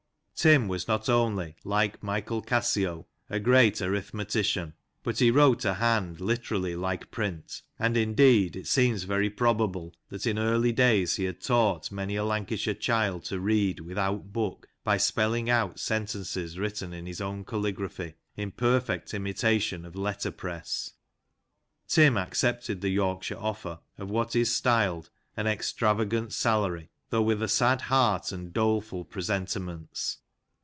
Tim was not only, like Michael Cassio, a great arithmetician, but he wrote a hand literally like print, and, indeed, it seems very probable that in early days he had taught many a Lancashire child to read without book, by spelling out sentences written in his own caligraphy, in perfect imitation of letter press. Tim accepted the Yorkshire offer of what is styled an " extravagant salary," though with a sad heart and dole fiil presentiments.